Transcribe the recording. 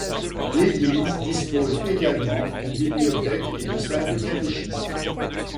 L'église dispose également d'une bibliothèque et de salles de catéchisme.